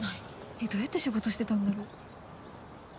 えっどうやって仕事してたんだろう。